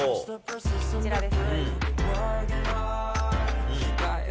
こちらです。